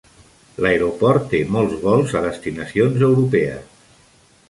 L'aeroport té molts vols a destinacions europees.